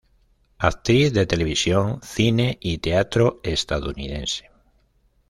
Actriz de televisión, cine y teatro estadounidense.